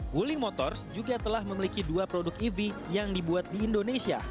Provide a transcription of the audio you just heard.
wuling motors juga telah memiliki dua produk ev yang dibuat di indonesia